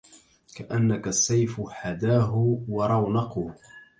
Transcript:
كأنك السيف حداه ورونقه